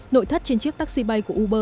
nội thất trên chiếc taxi bay của uber là uber